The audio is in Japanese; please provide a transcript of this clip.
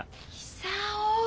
久男！